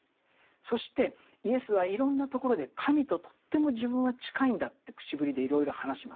そしてイエスはいろんなところで神ととっても自分は近いんだって口ぶりでいろいろ話します。